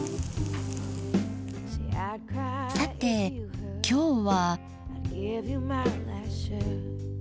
さて今日は。